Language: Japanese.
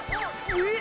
えっ！？